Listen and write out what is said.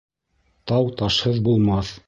Тау ташһыҙ булмаҫ